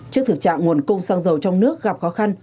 trước thực trạng nguồn cung xăng dầu trong nước gặp khó khăn